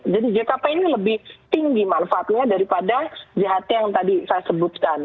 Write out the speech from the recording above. jadi jkp ini lebih tinggi manfaatnya daripada jht yang tadi saya sebutkan